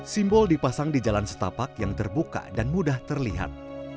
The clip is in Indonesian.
simbol dipasang di jalan setapak yang terbuka dan mudah terlihat